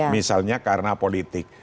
misalnya karena politik